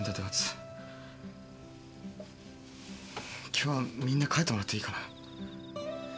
今日はみんな帰ってもらっていいかな。